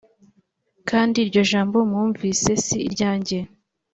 kandi iryo jambo mwumvise si iryanjye